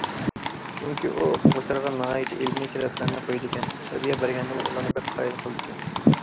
چۈنكى ئۇ ئوقۇغۇچىلارغا ناھايىتى ئىلمىي تەلەپلەرنى قويىدىكەن، تەربىيە بەرگەندىمۇ ئۇلارنى بەك قايىل قىلىدىكەن.